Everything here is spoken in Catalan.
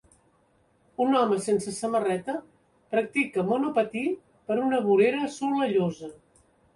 Un home sense samarreta practica monopatí per una vorera solellosa